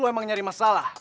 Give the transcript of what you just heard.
lo emang nyari masalah